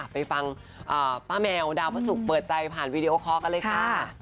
ไปฟังป้าแมวดาวพระศุกร์เปิดใจผ่านวีดีโอคอลกันเลยค่ะ